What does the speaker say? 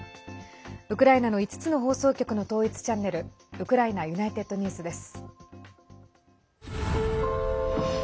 ウクライナの５つの放送局の統一チャンネルウクライナＵｎｉｔｅｄＮｅｗｓです。